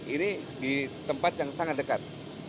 ini di tempat yang sangat dekat